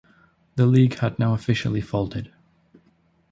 The league had now officially folded.